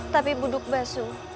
tapi buduk basu